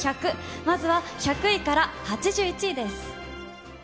まずは１００位から８１位です。